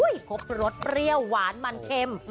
พบรสเปรี้ยวหวานมันเค็ม